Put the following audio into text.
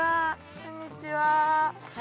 こんにちは。